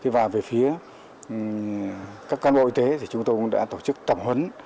và về phía các cán bộ y tế thì chúng tôi cũng đã tổ chức tập huấn